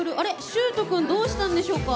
しゅーと君どうしたんでしょうか。